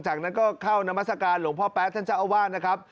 จากนั้นก็เข้านามัศกาลหลวงพ่อแป๊ะท่านเจ้าอาวาสนะครับ